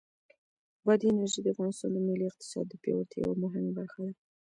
بادي انرژي د افغانستان د ملي اقتصاد د پیاوړتیا یوه مهمه برخه ده.